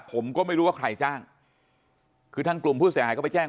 ผมก็ไม่รู้ว่าใครจ้างคือทางกลุ่มผู้เสียหายก็ไปแจ้ง